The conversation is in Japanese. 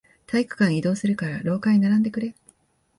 体育館へ移動するから、廊下へ並んでくれ。